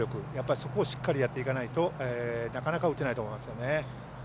そこをしっかりやっていかないとなかなか、打てないと思いますね。